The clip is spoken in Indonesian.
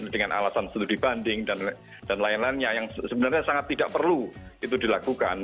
dengan alasan studi banding dan lain lainnya yang sebenarnya sangat tidak perlu itu dilakukan